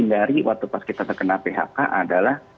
yang harus dihindari waktu pas kita terkena phk adalah